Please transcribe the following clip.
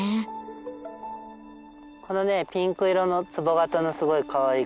このねピンク色のつぼ形のすごいかわいい。